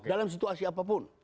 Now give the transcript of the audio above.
dalam situasi apapun